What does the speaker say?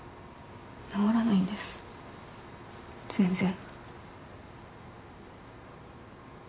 治らないんです全然。